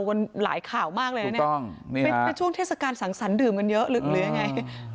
มันรายข่าวมากเลยเป็นช่วงเทศกาลสั่งสั่นดื่มกันเยอะ